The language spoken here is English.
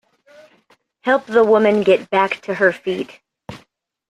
Help the woman get back to her feet.